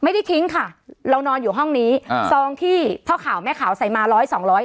ทิ้งค่ะเรานอนอยู่ห้องนี้อ่าซองที่พ่อข่าวแม่ขาวใส่มาร้อยสองร้อย